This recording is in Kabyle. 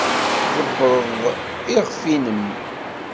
Tḍebbreḍ iɣef-nnem.